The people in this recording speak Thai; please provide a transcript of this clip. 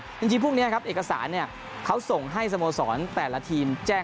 จริงพรุ่งนี้ครับเอกสารเนี่ยเขาส่งให้สโมสรแต่ละทีมแจ้ง